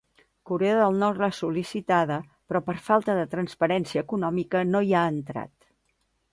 Corea del Nord l'ha sol·licitada, però per falta de transparència econòmica no hi ha entrat.